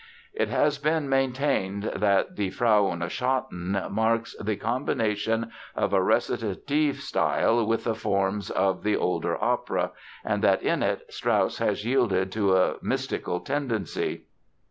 It has been maintained that in Die Frau ohne Schatten marks "the combination of a recitative style with the forms of the older opera" and that in it Strauss has yielded to a mystical tendency.